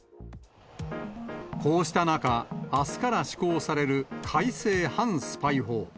こうした中、あすから施行される改正反スパイ法。